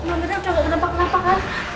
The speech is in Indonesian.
udah nggak kenapa kenapa kan